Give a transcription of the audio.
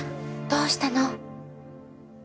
どうしたの？